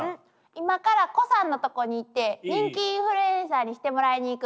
今から胡さんのとこに行って人気インフルエンサーにしてもらいに行く。